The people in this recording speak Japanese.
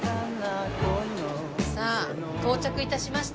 さあ到着致しました。